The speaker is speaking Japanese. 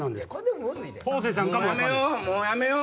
もうやめよう！